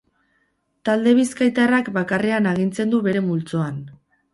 Talde bizkaitarrak bakarrean agintzen du bere multzoan.